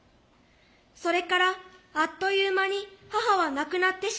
それからあっという間に母は亡くなってしまいました。